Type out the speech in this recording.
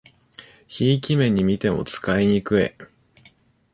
ひいき目にみても使いにくい